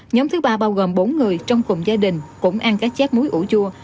nhóm thứ ba bao gồm bốn người trong cùng gia đình cũng ăn các chép muối ủ chua